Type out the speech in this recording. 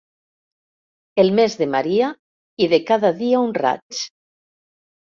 El mes de Maria i de cada dia un raig.